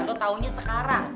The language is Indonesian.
lo taunya sekarang